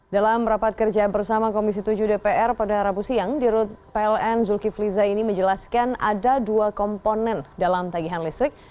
dalam rapat kerja bersama komisi tujuh dpr pada rabu siang di rut pln zulkifli zaini menjelaskan ada dua komponen dalam tagihan listrik